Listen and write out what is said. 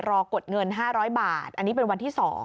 กดเงิน๕๐๐บาทอันนี้เป็นวันที่๒